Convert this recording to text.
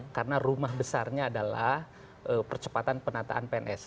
karena rumah besarnya adalah percepatan penataan pns